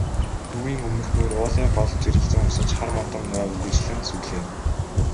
Төвийн өмнөхнүүр уулын гол жирэлзэн урсаж, хар модон ой үргэлжлэн сүглийнэ.